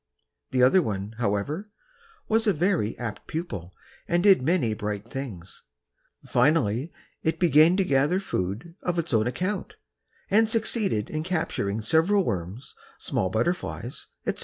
The other one, however, was a very apt pupil, and did many bright things. Finally it began to gather food on its own account and succeeded in capturing several worms, small butterflies, etc.